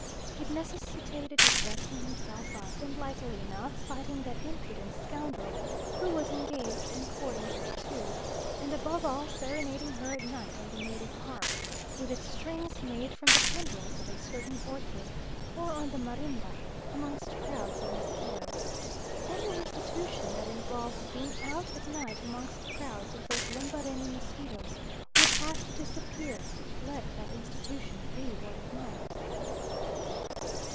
It necessitated his dressing himself up, and likely enough fighting that impudent scoundrel who was engaged in courting her too; and above all serenading her at night on the native harp, with its strings made from the tendrils of a certain orchid, or on the marimba, amongst crowds of mosquitoes. Any institution that involved being out at night amongst crowds of those Lembarene mosquitoes would have to disappear, let that institution be what it might.